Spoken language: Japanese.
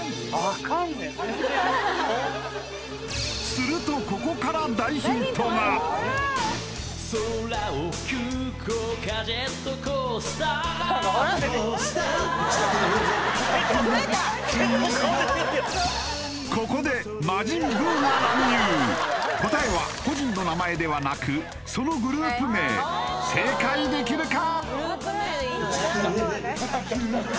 するとここで魔人ブウが乱入答えは個人の名前ではなくそのグループ名正解できるか？